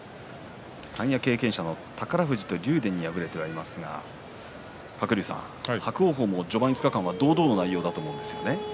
三役経験者の宝富士と竜電には敗れていますが、鶴竜さん伯桜鵬も序盤５日間堂々の内容ですよね。